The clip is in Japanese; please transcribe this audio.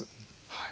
はい。